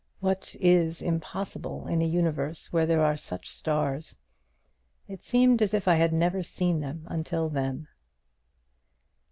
What is impossible in a universe where there are such stars? It seemed as if I had never seen them until then."